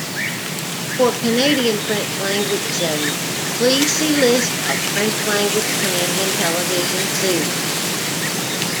For Canadian French-language shows, please see List of French-language Canadian television series.